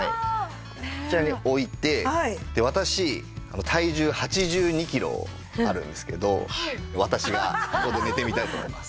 こちらに置いて私体重８２キロあるんですけど私がここで寝てみたいと思います。